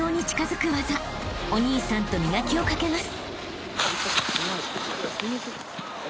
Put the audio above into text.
［お兄さんと磨きをかけます］